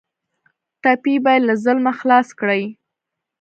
ټپي باید له ظلمه خلاص کړئ.